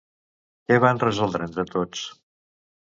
Què van resoldre entre tots?